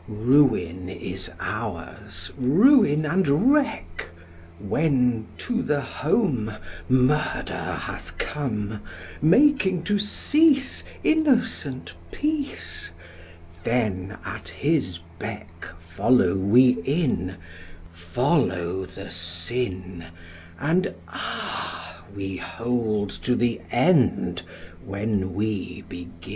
Ruin is ours, ruin and wreck; When to the home Murder hath come, Making to cease Innocent peace; Then at his beck Follow we in, Follow the sin; And ah! we hold to the end when we begin!"